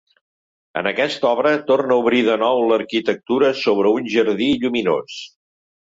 En aquesta obra, torna a obrir de nou l'arquitectura sobre un jardí lluminós.